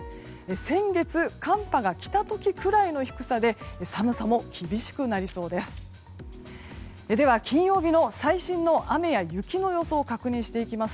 先月寒波が来た時くらいの低さで寒さも厳しくなりそうです。